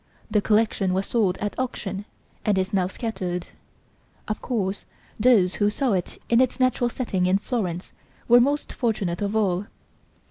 The collection was sold at auction, and is now scattered. Of course those who saw it in its natural setting in Florence, were most fortunate of all.